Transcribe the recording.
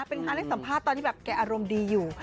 เป็นการให้สัมภาษณ์ตอนที่แบบแกอารมณ์ดีอยู่